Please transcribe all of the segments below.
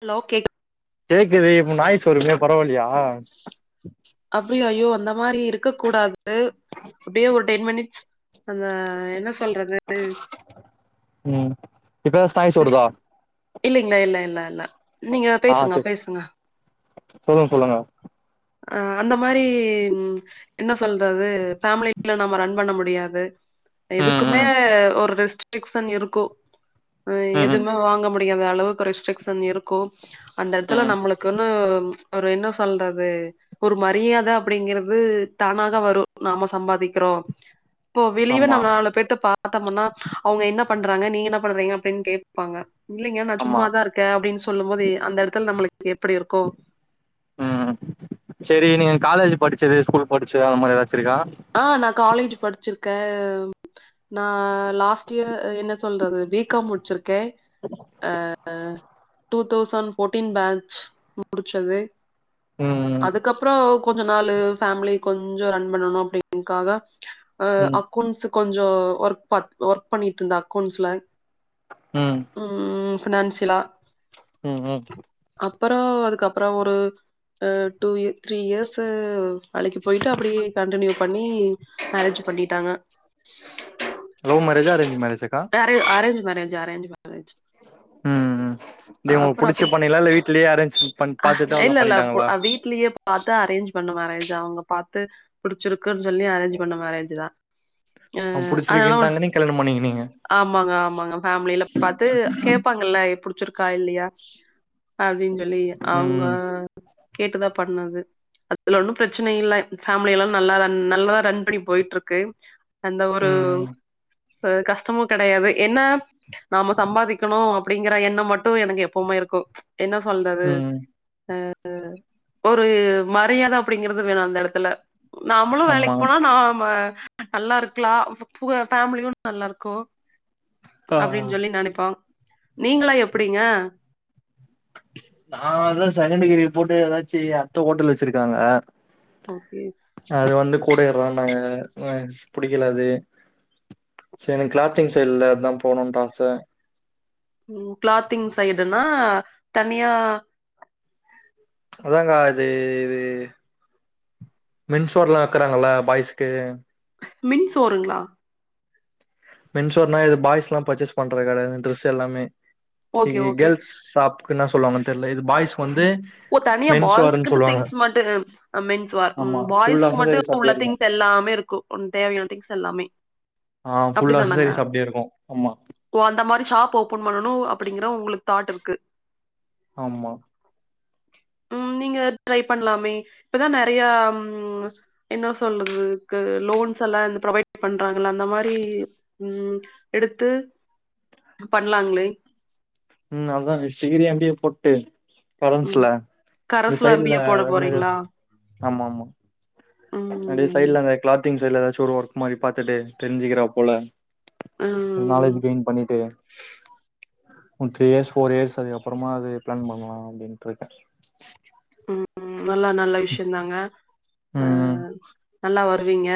Hello கேக் கேக்குது இப்ப நாய்ஸ் வருமே பரவால்லியா அப்டியா ஐயோ அந்த மாரி இருக்க கூடாது அப்டியே ஒரு டென் மினிட்ஸ் அந்த என்னஸ் ம் இப்ப ஸாய்ஸ் வருதா இல்லலைங்ளே இல்ல இல்ல இல்ல நீங்க பேசுங்க பேசுங்க சொல்லுங் சொல்லுங்க அ அந்த மாரி என்ன சொல்றது ஃபேமிலில நாம ரன் பண்ண முடியாது ம் எதுக்குமே ம் ஒரு ரெஸ்ட்ரிக்சன் இருக்கும் ம் எதுமே ம் வாங்க முடிய யாத அளவுக்கு ரெஸ்டரிக்ஸன் இருக்கும் அந்த இடத்துல ம் நம்மளுக்குன்னு ஒரு என்ன சொல்றது ஒரு மரியாத அப்புடிங்கறது தானாக வரும் நாம சம்பாதிக்கறோ போ வெளியவே ஆமா நாம நாலு பேர்த்த பா பத்தோம்ன்னா அவுங்க என்ன பண்றாங்க நீங்க என்ன பண்றீங்க அப்டின் கேப்பாங்க இல்லைங்க நா ஆமா சும்மாதா இருக்கே அப்படின்னு சொல்லும் போது அந்த எடத்துல நம்ளுக்கு எப்டி இருக்கும் ம் சரி நீங்க காலேஜ் படிச்சது ஸ்கூல் படிச்சது அத மாரி ஏதாச்சிருக்கா ஆ நா காலேஜ் படிச்சிருக்கே நான் லாஸ்ட் இயர் என்ன சொல்றது பி காம் முடிச்சிருக் கே அ டூ தௌசண்ட் போர்ட்டின் பேச் முடிச்சது ம் அதுக்கப்பறம் கொஞ்ச நாள் ஃபேமிலி கொஞ்சம் ரன் பண்ணனும் அப்படிங்கிறதக்காக ம் அக்கௌண்ட்ஸ கொஞ்ச ஒர்க் பாத் ஒர்க் பண்ணிட்டு இருந்தா அக்கௌண்ட்ஸ்ல உம் ஃபினான்சிலா உம் உம் அப்பறம் அதுக்கப்பறம் ஒரு டூ த்ரீ இயர்ஸ் வேலைக்கு போயிட்டு அப்படியே கண்டியூ பண்ணி மேரேஜ் பண்ணிட்டாங்க லவ் மேரேஜா அரேஞ் மேரேஜா அரே அரேஞ் மேரேஜ் அரேஞ் மேரேஜ் ம் ம் டேய் உங்களுக்கு அப்பறம் புடிச்சு அப்படி பண்ணீங்களா இல்ல வீட்லயே அரேஞ்ச் பண் பாத்துட்டு அவ்ளோதா இல்ல இல்ல பண்ணிட்டாங்களா வீட்லயே பாத்தா அரேஞ் பண்ணுவே அரேஞ் அவங்க பாத்து புடிச்சிருக்கன்னு சொல்லி அரேஞ் பண்ண மேரேஜ் தா அவங் புடிச்சிருக்குட்டாங்க நீங்க கல்யாணம் பண்ணினீங்க ஆமாங்க ஆமாங்க ஃபேமில பாத்து கேப்பாங்கல்ல புடிச்சிருக்கா இல்லையா அப்படின்னு சொல்லி அவங்க ம் கேட்டுதா பண்ணாங்க அதுல ஒன்னும் பிரச்சனை இல்ல ஃபேமிலிய எல்லாம் நல்லா ரன் நல்லாதா ரன் பண்ணி போயிட்டு இருக்கு ஏந்த ஒரு ம் ம் கஷ்ட துமு கெடயாது என்ன நாம சம்பாதிக்கணு அப்படிங்கிற எண்ணம் மட்டு எனக்கு எப்பவுமே இருக்கூ என்ன சொல்றது ம் அ அ ஒரு மரியாத அப்படிங்கறது வேணும் அந்த எடத்துல நாமளும் ஆமா வேலைக்கு போனா நாம நல்லா இருக்கலா ஃபேமிலியும் நல்லா இருக் கூ ஆ ஆ அப்படின்னு சொல்லி நெனப்போம் நீங்களா எப்படிங்க நா அதா செகண்ட் டிகிரி போட்டு ஏதாச்சு அத்த ஹோட்டல் வச்சிருக்காங்க ஓகே அப்ரோ நாங்க மன்ஸ் புடிக்கல அது ச எனக் கிளாத்திங் சைடலதுதா போணுன்ற ஆச உம் கிளாத்திங் சைடுனா தனியா அதாங்கா அது இது மின்சோர்லா ஆக்குறாங்கல்ல பாய்ஸ்க்கு மின் சோறுங்களா மின்சோர்னா இது பாய்ஸ் எல்லாம் பர்ச்சேஸ் பண்ற கட டிரெஸ் எல்லாமே ஓகே இகு ஓகே கேர்ள்ஸ் ஷாப்புக்கு என்ன சொல்லுவாங்கன்னு தெரில இது பாய்ஸ்க்கு வந்து ஓ தனியா மென்ஸ்வேர்ன்னு பாய்ஸ்க்குன்னு சொல்லுவாங்க திங்ஸ் மட்டு மென்ஸ்வார் உம் ஆமா ஃபுல் பாய்ஸ்க்கு மட்டு அசசரிஸ் உள்ள அப்டியே இருக்கு திங்ஸ் எல்லாமே இருக்கூ உனக் தேவயான திங்ஸ் எல்லாமே ஆ ஃபுல் அப்படித்தானாங்க அசசரிஸ் அப்டியே இருக்கு ஆமா ஓ அந்த மாரி ஷாப் ஓபன் பண்ணணும் அப்படிங்கற உங்களுக் தாட் இருக்கு ஆமா நீங்க ட்ரை பண்ணலாமே இப்பதா நெறய என்ன சொல்றது போன்ஸ் எல்லா ப்ரொவைட் பண்றாங்கள அந்த மாரி உம் எடுத்து பண்லாங்ளே உம் அது தா நெக்ஸ் சீகிரி எம் பி எ போட்டு ம் கரன்ஸ்ல இந்த கரஸ்ல எம் பி சைடுல ஏ போட போறீங்களா ஆமா ஆமா அப்டியே ம் சைட்ல அந்த கிளாத்திங் சைடுல ஏதாவது ஒர்க் மாரி பாத்துட்டு தெரிஞ்சுக்கிறா போல நாலேஜ் ம் கெயின் பண்ணிட்டு one three years four years அதுக்கு அப்புறமா அது பிளான் பண்ணலாம் அப்டின்னுன்டுருக்க உம் உம் நல்லா நல்ல விஷயம் தாங்க ம் நல்லா வருவீங்க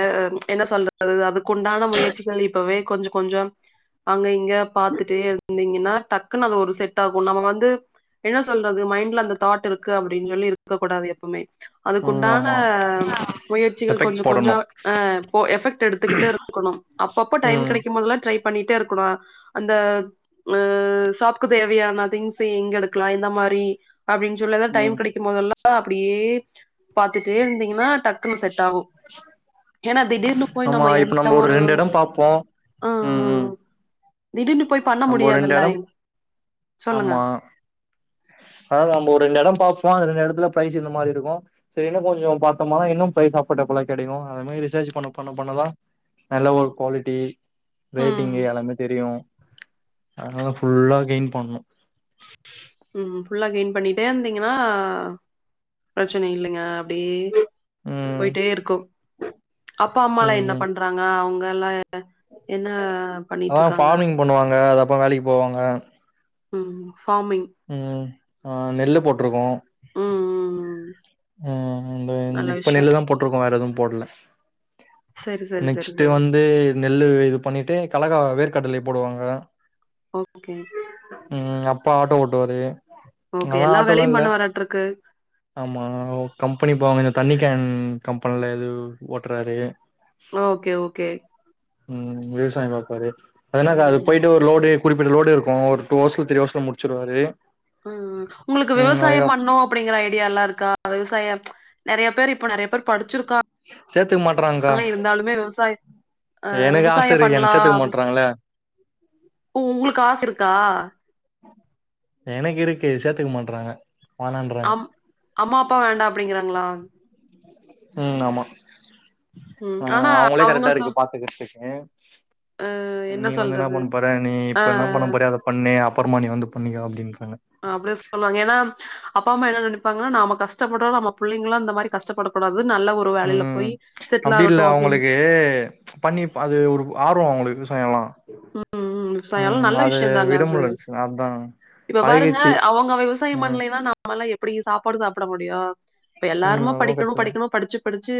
என்ன சொல்றது அதுக்கு உண்டான முயற்சிகள் இப்பவே கொஞ்ச கொஞ்சம் அங்க இங்க பாத்துட்டே இரு ந்தீங்கன்னா டக்குன்னு அது ஒரு செட் ஆகும் நம்ம வந்து என்ன சொல்றது மைண்ட்ல அந்த தாட் இருக்கு அப் அப்படின்னு சொல்லி இருக்க கூடாது எப்பவுமே ம் அதுக்குண்டான ஆமா முயற்சிகள் கொஞ்ச எஃபெக்ட் கொஞ்சம் போடணும் அஹ் போ எஃபெக்ட் எடுத்துக்கிட்டு அத னும். அப்பப்போ டைம் ம் கெடைக்கும் போதெல்லாம் ட்ரை பண்ணிட்டே இருக்கணு அந்த ஷாப்க்கு தேவையான திங்ஸ எங்க எடுக்கலாம் இந்த மா மரி அப்படின்னு சொல்லதா டைம் ம் லா அப்படியே பாத்துட்டே இருந்தீங்கன்னா டக்குன்னு செட் ஆகு ஏனா திடீர்னு போய் ஆமா நம்ம இப்ப எந்த ஒரு ரெண்டு இடம் பாப்போம் ஆ ம் ம் ஆ திடீர்னு பண்ண நம்ம ஒரு ரெண்டு முடியாதுல்ல இடம் சொல்லுங்க ஆமா அததாம்போ ரெண்டு எடோ பாப்போ இந்த எடத்துல பிரைஸ் இந்த மாரி இருக்கும் செரினு கொஞ்சோ பாத்தோம்மானா இன்னும் பிரைஸ் அபோர்டபுளா கெடைக்கும் அத மாரி ரிசர்ச் பண்ண பண்ண பண்ணதான் நல்ல ஒரு குவாலிட்டி ரேட்டிங்கு ம். எல்லாமே தெரியும் அதனாலதா ஃபுல்லா கெயின் பண்னும் உம் ஃபுல்லா கெயின் பண்ணிட்டே இருந்தீங்கன்னா பிரச்சன இல்லைங்க அப்டி ம் போயிட்டேருக்கும் அப்பா அம்மாலா என்ன பண்றாங்க அவங்க எல்லா அதான் ஃபார்மிங் பண்ணுவாங்க அது அப்ப வேலைக்கு போவாங்க ம் ஃபார்மிங் ம் ஆ நெல்லு போட்ருக்கோ ம் ம் ம் ம் இந்த இந் நல்ல இப்ப விஷயம். நெல்லு தா போட்ருக்கோ வேறெதுவு போட்ல சரி, சரி, சரி, நெக்ஸ்ட்டு சரி. வந்து நெல்லுவு இது பண்ணிட்டு கலகா வேர்க்கட்லை போடுவாங்க ஓகே ம் அப்பா ஆட்டோ ஓட்டுவாரு ஓகே. நாலா எல்லா ஆட்டோலா வேலையும் இல்ல பண்ணுவாராட்ருக்கு. ஆம் ஆ ஒ கம்பெனி பாவ ஏனனனா தண்ணி கேன் கம்பென்ல எது ஓட்டுறாரு ஓகே ஓகே ம் விவசாயோ பாப்பாரு அது என்னக்கா அது ம். போயிட்டு ஒரு லோடு குறிப்பிட்ட லோடு இருக்கூ ஒரு டூ ஹவர்ஸ் ல த்ரி ஹவர்ஸ் ல முடிச்சுருவாரு ம் உங்களுக்கு விவசாயம் பண்னோ அப்படிங்கிற ஐடியால்லா இருக்கா விவசாயம் நெறய பேர் இப்ப நெறய பேர் படிச்சிருக்காங் சேத்துக்க மாட்றாங்க்கா ஆனா இருந்தாலுமே விவசாய ஆ எனக்கு ஆச விவசாய இருக்கு என்ன பண்லா சேத்துக்க அப்டி மாட்றாங்கல்ல ஒ உங்குளுக்கு ஆச இருக்கா எனக்கு இருக்கு சேத்துக்க மாட்றாங்க வேணான்றாங்க அம் அம்மாப்பா வேண்டா அப்டிங்கறாங்ளா ம் ஆமா ம் ஆ ஆனா அவுங்களே அவங்க சொ கரெக்டாருக்கு பாத்துக்கிறதுக்கு ம் நீ வந்து என்ன பண்ண போற நீ ஆ இப்ப என்ன பண்ண போறியோ அத பண்ணு அப்புறமா நீ வந்து பண்ணிக்கோ அப்டிங் ஆ அப்டிதா சொல்லுவாங்க ஏனா அப்பாம்மா என்ன நெனப்பாங்னா நாம கஷ் ட பட்டாலு நம்ம புள்ளைங்கலா இந்த மாரி கஷ்டப்படக்கூடாத் ஒரு வேலைல போய் அப்டில்ல அப்டின்னு அவுங்களுக்கு பண்ணிப அது ஒரு ஆர்வோ அவுங்களுக்கு விவ்சாயோலா ம் ம் விவசாயல்லா நல்ல விஷ்யோ தாங்க விட அது முல்ல அதா இப்ப பாருங்க பழகிச்சு அவங்க விவசாயம் ம் பண்லைனா நம்மலா எப்டி சாப்பாடு சாப்புட முடியூ இப்ப ம் எல்லாருமோ அதுவு படிக்கணு கரெக்ட்டுதா படிக்கணு படிச்சு படிச்சு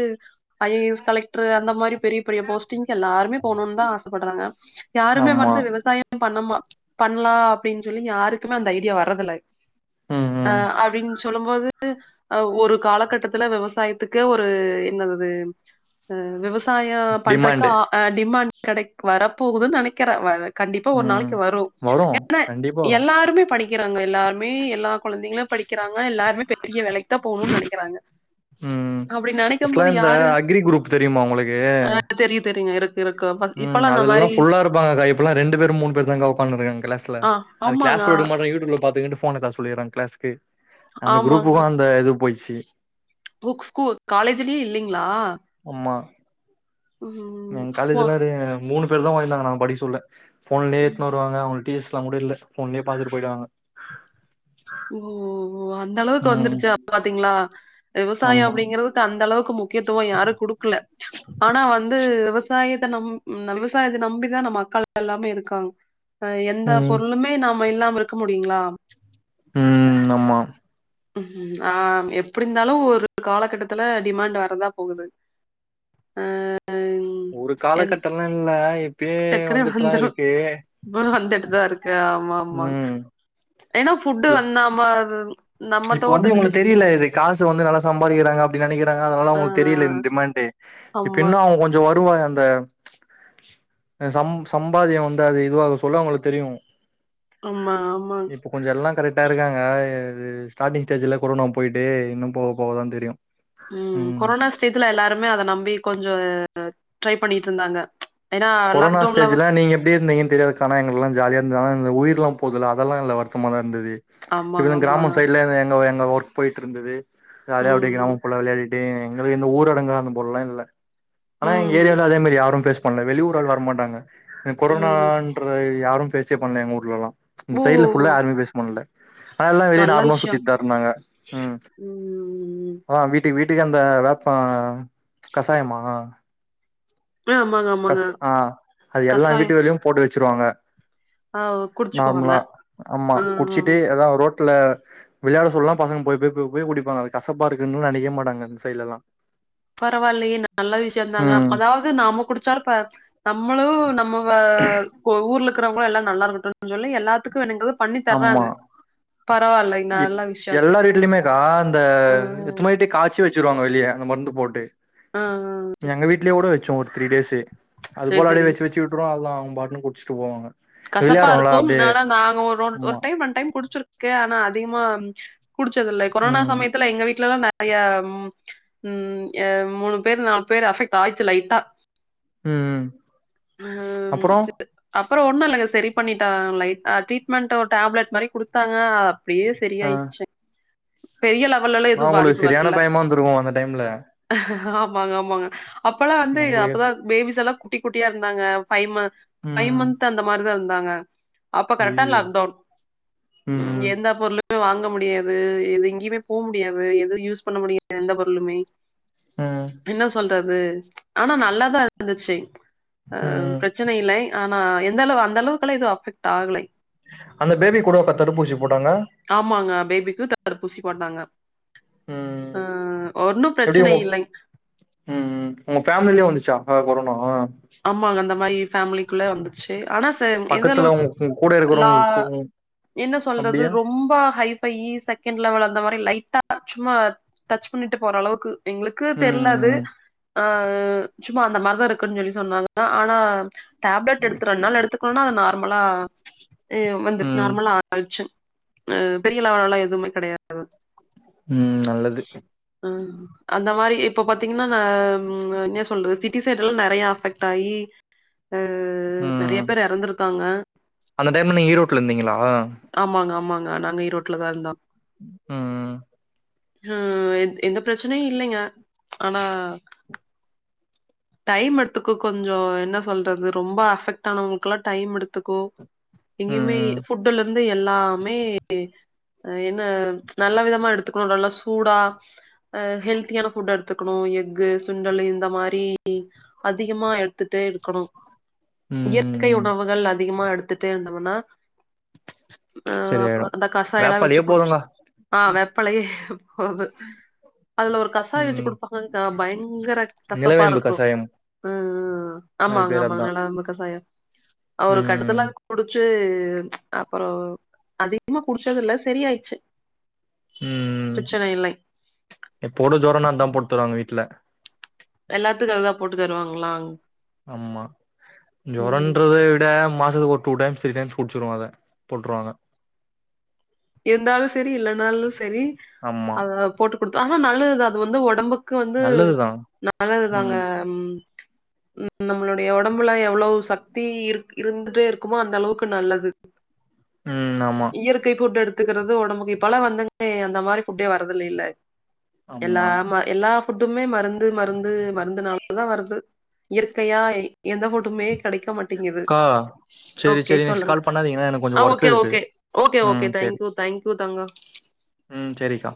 ஐ ஏ எஸ் கலெக்ட்ரு அந்த மாரி பெரிய பெரிய போஸ்ட்டிங்க்கெல்லாருமே போணூன் தா ஆசப்பட்றாங்க யாருமே ஆமா வந்து விவசாயம் பண்ணமா பண்ணலாம் அப்டின் சொல்லி யாருக்குமே அந்த ஐடியா வரதுல்ல ம் ஆ ம் அப்டின் சொல்லம்போது அ ஒரு காலகட்டத்துல வெவசாயத்துக்கே ஒரு நல்லது ஆ விவஸ் சாயோ பண்றக்கு டிமாண்டு ஆ டிமாண்ட் கெடைக் வரப்போகுதுன் நெனைக்கிறே வரக் கண்டிப்பா ஒரு ம் நாளைக்கு வரூ வரு ஏனா கண்டிப்பா வரு எல்லாருமே படிக்கிறாங்க எல்லாருமே எல்லா குழந்தைங்களூ படிக் வ எல்லாருமே பெரிய வேலைக் தா போணூன் நெனைக்கிறாங்க ம் அப்டி ஃபர்ஸ்ட்லா நெனைக்கும்போது இந்த யாரு அக்ரி க்ரூப் தெரியுமா உங்களுக்கு தெரியும் தெரியுங்க. இருக்கு இருக்கு. ம் இப்பல்லாம் அந்த அதுலெல்லா மாரி ஃபுல்லாருப்பாங் ஆங்கக்கா இப்பலா ரெண்டு பேரு மூணு பேரு தாங்க்கா ஒக்காந்துருக்காங் க்ளாஸ்ல ஆ அது ஆமாங்க, க்ளாஸ் கூட எடுக்கமாட்டுங் யூடியூப்ல பாத்துக்கன்ட்டு போனதா சொல்லிட்றாங் க்ளாஸ்கு ஆமாங்க புக்ஸ்கூ காலேஜ்லயே இல்லிங்ளா ஆமா வா காலேஜ்லாரு மூணு பேர் தா வாய்ந்தாங்க நாங்க படிக் சொல்ல ஃபோன்லயே உம், எத்னு வருவாங்க அவுங்களுக் டீஸ்லா கூட இல்ல ஃபோன்லேய பாத்துட்டு போயிடுவாங்க ஓ ஓ ஓ அந்தளவுக்கு ம் வந்துருச்சா பாத்தீங்ளா விவசாயோ ஆமா அப்படிங்கிறதுக் அந்தளவுக்கு முக்கியத்துவே யாரூ குடுக்ல ஆனா வந் து விவசாயத்த நம் விவசாயத்த நம்பிதா நம் மக்கள்ல்லாமே இருக்காங் அ எந்த ம் பொருளுமே நாம இல்லாம இருக்க முடியுங்ளா ம் ஆமா ம் ஆ எப்டிருந்தாலூ ஒரு காலகட்டத்துல டிமாண்ட் வரதா போகுது ஆ ஒரு காலகட்டல்லா இல்ல இப்பயே வந்துட்டுலா இருக்கு இதா இருக்கா ஆமாம்மாங் ம் ஏனா புஃட்டு இப் வந்தாமார் இப்ப வந்து இவ்ங்களுக்கு தெரியுல இது காசு வந்து நல்லா சம்பாதிக்கிறாங்க அப்டி நெனைக்கி றாங்க அதனால ஆ அவ்ங்களுக்கு தெரியல இந் டிமாண்ட்டு இப்ப ஆமா, இன்னு அவ்ங்க கொஞ்ச வருவான் ந்த அ சம் சம்பாதிய வந்து அது இதுவாகு சொல்ல அவ்ங்களுக்கு தெரியு ஆமா, ஆமா. இப்ப கொஞ்ச எல்லா கரெக்டா இருக்காங்க அ இது ஸ்டார்டிங் ஸ்டேஜ்ஜுல கொரோனா போயிட்டு இன்னு போகா போக தா தெரியு ம் கொரோனா ஸ்டேத்துல எல்லாருமே அத நம்பி கொஞ்ச அ ட்ரை பண்ணிட்ருந்தாங்க கொரோனா ஸ்டேஜ்ஜுல நீங்க எப்டி இருந்தீங்கன் தெரியாதுக்கா ஆனா எஙகளுக்குலா ஜாலியா இருந்த ஆனா இந்த உயிர்ளாம் போதுல அதெல்லா எல்லா வருத்தமாதா இருந்தது இப்டி ஆமாங்க, தா கிராம ஆமாங்க. சைட்ல எங்கவ் எங் ங்க ஒர்க் போயிட்ருந்தது ஜாலியா அப்டியே கிராம ம், ஃபுல்லா விளையாடிட்டே எங்களுக்கு இந்த ஊரடங்களா அந்த போட்லா இல்ல ஆனா எங்க ம், ஏரியால அதே மாரி யாரு ஃபேஸ் பண்ல வெளியூர் ஆள் வரமாட்டாங்க எ ம். கொரோனான்ற யாரு ஃபேஸே பண்ல எங்க ஊர்லலா இந்த ஓ! சைட்ல ஃபுல்லா யாருமே ஃபேஸ் பண்ல அதெல்லா வெளிய நல்ல நார்மலா விஷயம். சுத்திட்டு தா இருந்தாங்க ம் ம். அதா வீட்டுக்கு வீட் டுக்கு அந்த வேப்ப கசாயமா ஆமாங்க, ஆமாங்க. கஸ் ஆ அது எல்லா கசாயம். வீட்டுகள்லயு போட்டு வெச்சிருவாங்க ஆ குடிச்சுக்குவாங்க. நார்ம்லா ஆமா ம் குட்ச்சுட்டு எதாவ் ரோட் ட்ல விளையாட சொல்லா பசங்க போய் போய் போய் போய் குடிப்பாங்க அது கசப்பா இருக்குன்னு நெனைக்கவே மாட்டாங்க இந்த சைட்லலா பரவால்லயே நல்ல விஷ்யந்தாங்க ம் அப்பனாவ்து நாம குடிச்சாலு ப நம்மளு நம்ம வ இப்போ ஊர்ல இருக்கிறவ்ங்களு எல்லா நல்லா இருக்கட்டுன் சொல்லி எல்லாத்துக்கு வேணுங்கிறது பண்ணி தர்றாங்க பரவாயில்லை நல்ல விஷயோ எல்லாரு வீட்லயுமேக்கா அந்த ம் இர்த்துமைட்டி காச்சி வச் சிருவாங்க வெளிய அந்த மருந்து போட்டு ஆ ச்சோ ஒரு த்ரீ டேஸ்ஸு அது செரி போல அப்டியே செரி வெச்சு வெச்சு விட்டுறுவோ நல்லா அவ்ங்க பாட்னு குட்ச்ட்டு போவாங்க கசப்பா விளையாடுறோம்ல இருக்கும் அப்டியே ஆனா நாங்க ஒர் ஒன் ஒரு ஆமா டைம் ஒன் டைம் குடிச்சிருக்கே ஆனா அதிகமா குடிச்சதில்ல கொரோனா ம் சமயத்துல எங்க வீட்லலா நெற் றையா ம் ம் எ மூணு பேரு நாலு பேரு அஃபெக்ட் ஆய்ர்ச்சு லைட்டா ம் ம் அப்புறம் அப்பற ஒன்னு இல்லங்க செரி பண்ணிட்டாங்க லைட்டா ட்ரீட்மெண்ட்டு ஒரு டேப்லெட் மாரி குடுத்தாங்க அ அப்டியே ஆ செரியாயிர்ச்சு பெரிய லெவல்லலா எதுவு நான் உங்களுக்கு பாதிப்பு சரியான வர்ல பயமா இருந்திருக்கும் அந்த டைம்ல ஆ வாங்கம்பாங்க அப்பலா வந்து அப்பதா நம்மளுக்கு பேபிஸெல்லா குட்டி குட்டியா இருந்தாங்க ஃபைவ் ம ஃபை ம் மன்த்து அந்த மாரிதா இருந்தாங்க அப்ப கரெக்டா ஐயோ லாக்டோன் ம் எந்த பொருளு ம் வாங்க முடியாது எது எங்கேயுமே போம் முடியாது எது யூஸ் பண்ண முடியா எந்த பொருளுமே என்ன சொல்றது ஆனா நல்லாதா இருந்துச்சு அ ம் பிரச்சனை இல்லை ஆனா எந்த அளவு அந்த அளவுக்கெல்லா எதுவு அஃபெக்ட் ஆகலை அந்த பேபி கூட பத் தடுப்பூசி போட்டாங்க ஆமாங்க பேபிக்கு தடுப்பூசி போட்டாங்க அ ம் ஒண்ணும் எப்டி பிரச்சனை உங்க ஃப் இல்லை. ம் ம் உங்க ஃபேம்லிலயு வந்துச்சா ஆ கொரோனா ஆமாங்க அந்த மாயி ஃபேம்லிக்குள்ள வந்துச்சு ஆனா சார் எந்த பக்கத்துல அளவுக்கு உங்க உங்க கூட லா இருக்கிறவங்க கூ என்ன சொல்றது அப்டியா ரொம்ப ஹைஃபையி சகெண்ட் லெவல் அந்த மா அ லைட்டா சும்மா டச் பண்ணிட்டு போற அளவுக்கு எங்களுக்கு தெர்ல அது ம் ஆ சும்மா அந்த மாரிதா இருக்குன் சொல்லி சொன்னாங்க ஆனா டேப்லெட் எடுத்து ரெண்ட் நாள் எடுத்துக்கணுனா நார்மலா எ வந்து ம் நார்மலா ஆயிர்ச்சு ம் பெரிய லெவெல்லலா எதுவுமே கெடையாது ம் நல்லது ம் அந்த மாரி இப்ப பாத்தீங்னா நா ம் என்ன சொல்றது சிட்டி சைட்லலா நெறையா அஃபெக்ட் ஆயி ஆ நெறய ம் பேரு எறந்துருக்காங்க அந்த டைம்ல நீங்க ஈரோட்ல இருந்தீங்களா நா நாங்க ஈரோட்டுல தா இருந்தோ ம் ம் ம் எ எந்த ப்ரச்சனையு இல்லைங்க ஆனா டைம் எடு த்துக்க கொஞ்சோ என்னா சொல்றது ரொம்ப அஃபெக்ட் ஆனவங்களுக்கெல்லா டைம் எடுத்துக்கோ எங்கியுமே ம் ஃபுட்டுல இருந்து எல்லாமே அ என்ன நல்ல விதமா எடுத்துக்கணு நல்லா சூடா அ ஹெல்த்தியான ஃபுட் எடுத்துக்கணு எஃகு சுண்டலு இந்த மாரி அதிகமா எடுத்துட்டே இருக்கணு இயற்கை ம் உணவுகள் அதிகமா எடுத் துட்டே இருந்தோன்னா அ சரியாயிடு அந்த கஷயோ எல்லா வச்சு வேப்பாலயே குடிச்சு போதுங்க ஆ வேப்பலைய போது அதுல ஒரு கசாய வச்சு ம் குடுப்பாங்கக்கா பயங்கர கசப்பா நிலவேம்பு இருக்கு கசாயம் ம் ம் அது ஆமாங்க பேரு ஆமாங்க அதா நலவேம்பு கசாயோ அ ஒரு ம் கட்டத்துல அதுக்குடிச்சு து அப்பறோ அதிகமா குடிச்சது இல்ல செரியாச்சு ம் ம் இப்போட ஜோரனா அதா போட்டுதருவாங்க வீட்டுல எல்லாத்துக்கு அததா போட்டு தருவாங்களா ஆமா ம். ஜோரன்றத விட மா சத்துக்கு ஒரு டூ டை டைம்ஸ் த்ரீ டைம்ஸ் குடிச்சிருவோ அத போட்டுருவாங்க இருந்தாலு செரி இல்லனாலு செரி ஆமா அத போட்டு குடுத்த ஆனா நல்லது தா அது வந்து ஒடம்பு க்கு வந்து நல்லதுதா நல்லதுதாங்க ம் ம் ம் நம்பளுடைய ஒடம்புல எவ்ளோவு சத்தி இருக் இருந்துட்டே இருக்குமோ அந்த அளவுக்கு நல்லது ம் ஆமா இயற்கை ஃபுட் எடுத் துக்கிறது ஒடம்புக்கு இப்பெல்லா வந்தங்க அந்த மாரி ஃபுட்டே வரதில்லயில்ல ஆமா எல்லாமா எல்லா ஃபுட்டுமே மருந்து மருந்து மருந்துனால தா வர்து இயற்கையா எ எந்த ஃபுட்டுமே கெடைக்க மாட்டேங்குது அக்கா சரி ஓகே சரி நெக்ஸ்ட் சொல்லுங்க கால் பண்ணாதீங்கன்னா எனக்கு கொஞ்சோ அ ஒர்க் ஓகே இருக்கு ஓகே ஓகே ஓகே ம் சரி தேங்க்யூ தேங்க்யூ தங்க ம் செரிக்கா